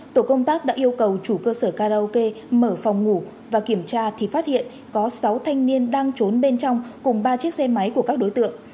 tổ công tác đã yêu cầu chủ cơ sở karaoke mở phòng ngủ và kiểm tra thì phát hiện có sáu thanh niên đang trốn bên trong cùng ba chiếc xe máy của các đối tượng